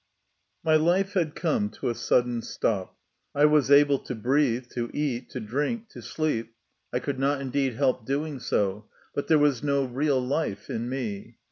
My life had come to a sudden stop. I was able to breathe, to eat, to drink, to sleep. I could not, indeed, help doing so ; but there was no real life in me.